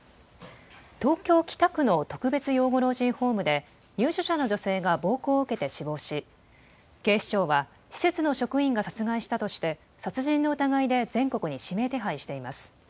東京北区の特別養護老人ホームで入所者の女性が暴行を受けて死亡し警視庁は施設の職員が殺害したとして殺人の疑いで全国に指名手配しています。